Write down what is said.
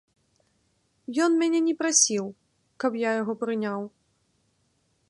Ён мяне не прасіў, каб я яго прыняў.